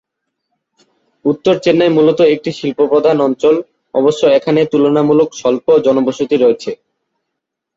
উত্তর চেন্নাই মূলত একটি শিল্প প্রধান অঞ্চল, অবশ্য এখানে তুলনামূলক স্বল্প জনবসতি রয়েছে।